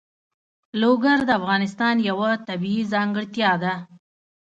لوگر د افغانستان یوه طبیعي ځانګړتیا ده.